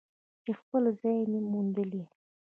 چې خپل ځای یې موندلی.